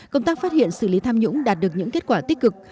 công tác phát hiện xử lý tham nhũng đạt được những kết quả tích cực